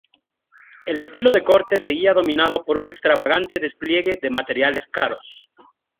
El estilo de corte seguía dominado por un extravagante despliegue de materiales caros.